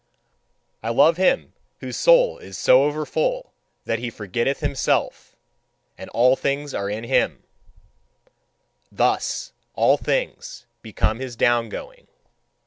I love him whose soul is so overfull that he forgetteth himself, and all things are in him: thus all things become his down going.